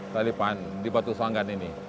kekalipan di batu selanggan ini